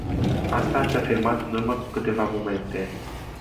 Asta ați afirmat în urmă cu câteva momente.